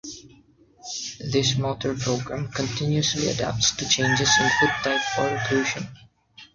This motor program continuously adapts to changes in food type or occlusion.